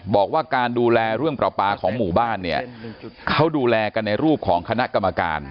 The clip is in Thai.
บอกว่าการดูแลเรื่องประปาของหมู่บ้านเนี่ยเขาดูแลกันในรูปของคณะกรรมการ